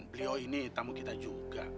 beliau ini tamu kita juga